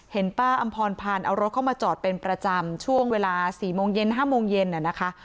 ป้าอำพรพันธ์เอารถเข้ามาจอดเป็นประจำช่วงเวลา๔โมงเย็น๕โมงเย็นนะคะ